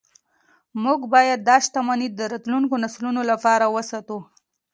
موږ باید دا شتمني د راتلونکو نسلونو لپاره وساتو